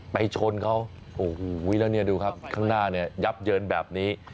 ชนเขาโอ้โหแล้วเนี่ยดูครับข้างหน้าเนี่ยยับเยินแบบนี้